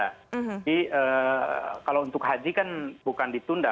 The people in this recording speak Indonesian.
kalau untuk haji kan bukan ditunda